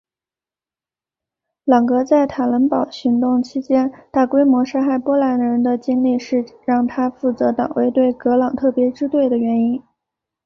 朗格在坦能堡行动期间大规模杀害波兰人的经历是让他负责党卫队朗格特别支队的原因。